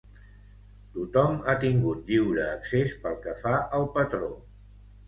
Tothom ha tingut lliure accés pel que fa al patró.